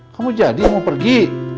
kamu jadi mau pergi